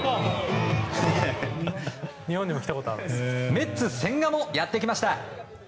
メッツ千賀もやってきました。